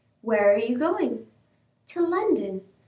"Where are you going?" "To London.